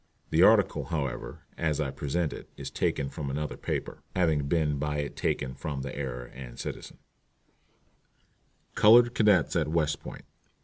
The article, however, as I present it, is taken from another paper, having been by it taken from the Era and Citizen: "COLORED CADETS AT WEST POINT.